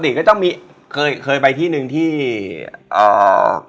ปกติก็จะมีเคยไปที่นึงที่อ่า